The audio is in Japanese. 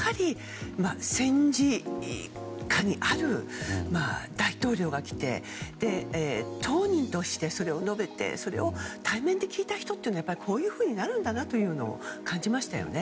戦時下にある大統領が来て当人としてそれを述べてそれを対面で聞いた人はこういうふうになるんだなと感じましたよね。